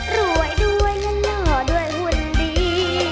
รวยด้วยและหล่อด้วยหุ่นดี